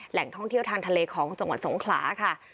แหล่งท่องเที่ยวทางทะเลของจังหวัดสงขลาค่ะ